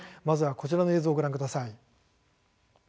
まずはこちらの映像をご覧ください。